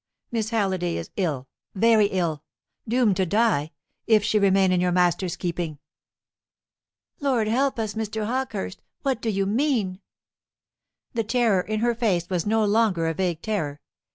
Miss Halliday is ill, very ill doomed to die, if she remain in your master's keeping." "Lord help us, Mr. Hawkehurst! what do you mean?" The terror in her face was no longer a vague terror.